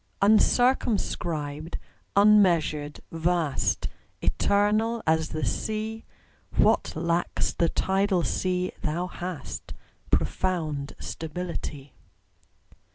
UNCIRCUMSCRIBED, unmeasured, vast, Eternal as the Sea; What lacks the tidal sea thou hast Profound stability.